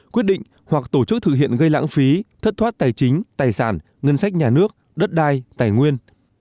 quyết định hoặc tổ chức thực hiện gây lãng phí thất thoát tài chính tài sản ngân sách nhà nước đất đai tài nguyên